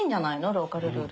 ローカル・ルール。